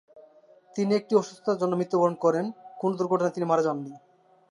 তিনি একটি অসুস্থতা জন্য মৃত্যুবরণ করেন, কোনো দুর্ঘটনায় তিনি মারা যান নি।